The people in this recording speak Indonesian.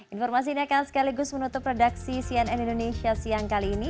informasi ini akan sekaligus menutup redaksi cnn indonesia siang kali ini